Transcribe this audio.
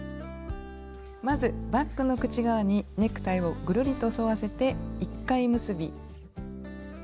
まずバッグの口側にネクタイをぐるりと沿わせて１回結び。